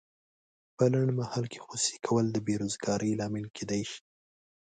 په لنډمهال کې خصوصي کول د بې روزګارۍ لامل کیدای شي.